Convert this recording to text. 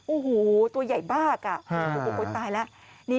โอ้โหตัวใหญ่มากตายแล้ว